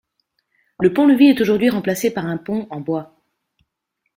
Le pont-levis est aujourd'hui remplacé par un pont en bois.